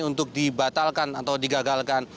untuk dibatalkan atau digagalkan